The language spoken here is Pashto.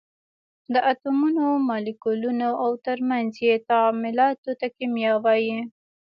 د اتومونو، مالیکولونو او تر منځ یې تعاملاتو ته کېمیا وایي.